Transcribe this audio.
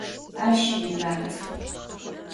Aş yimat.